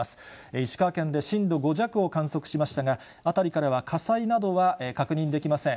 石川県で震度５弱を観測しましたが、辺りからは火災などは確認できません。